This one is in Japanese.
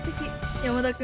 山田君。